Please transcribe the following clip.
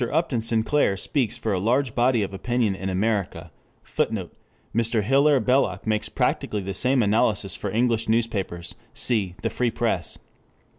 Upton Sinclair speaks for a large body of opinion in America, [Footnote: Mr. Hilaire Belloc makes practically the same analysis for English newspapers. _Cf. The Free Press.